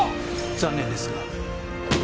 残念ですが。